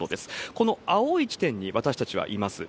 この青い地点に、私たちはいます。